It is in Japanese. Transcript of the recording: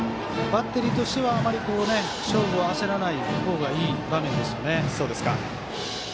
バッテリーとしては勝負を焦らない方がいい場面ですね。